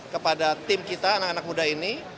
kepada tim kita anak anak muda ini